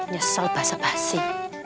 nyesel bahasa basi